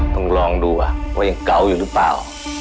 ต้องลองดูว่ายังเก่าอยู่หรือเปล่า